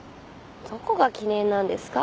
どこが記念なんですか？